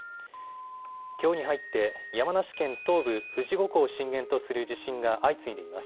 きょうに入って山梨県東部富士五湖を震源とする地震が相次いでいます。